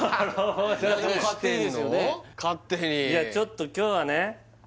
勝手にいやちょっと今日はね